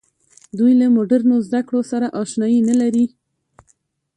دوی له مډرنو زده کړو سره اشنايي نه لري.